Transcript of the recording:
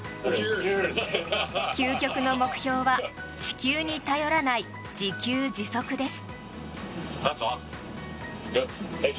究極の目標は地球に頼らない自給自足です。